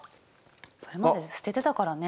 それまで捨ててたからね。